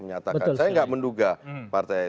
menyatakan saya enggak menduga partai